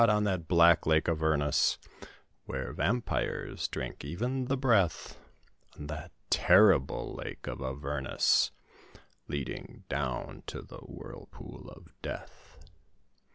on that black Lake Avernus, Where vampyres drink even the breath, On that terrible Lake of Avernus, Leading down to the whirlpool of Death!